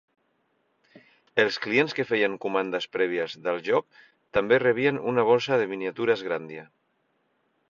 Els clients que feien comandes prèvies del joc també rebien una bossa de miniatures "Grandia".